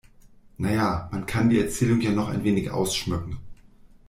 Na ja, man kann die Erzählung ja noch ein wenig ausschmücken.